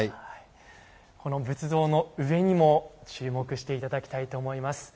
この仏像の上にも注目していただきたいと思います。